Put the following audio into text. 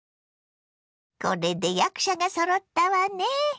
これで役者がそろったわね。